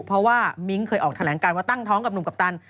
เพราะว่ามิ้งเคยออกแถลงการว่าตั้งท้องกับหนุ่มกัปตัน